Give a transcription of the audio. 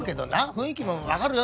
雰囲気もわかるよ。